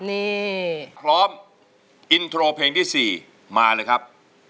นี่พร้อมอินโทรเพลงที่๔มาเลยครับ